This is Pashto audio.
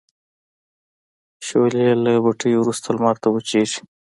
شولې له بټۍ وروسته لمر ته وچیږي.